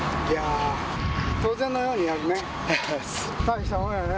当然のようにやるね。